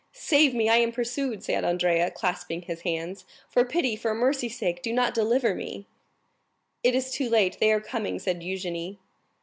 "Save me, I am pursued!" said Andrea, clasping his hands. "For pity, for mercy's sake do not deliver me up!" "It is too late, they are coming," said Eugénie.